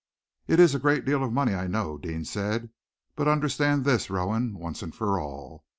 "It is a great deal of money, I know," Deane said, "but understand this, Rowan, once and for all.